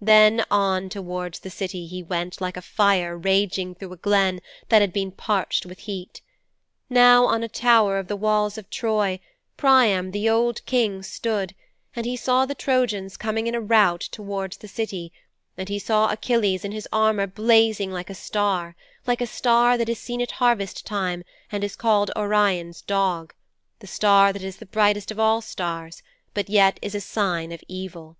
'Then on towards the City, he went like a fire raging through a glen that had been parched with heat. Now on a tower of the walls of Troy, Priam the old King stood, and he saw the Trojans coming in a rout towards the City, and he saw Achilles in his armour blazing like a star like that star that is seen at harvest time and is called Orion's Dog; the star that is the brightest of all stars, but yet is a sign of evil.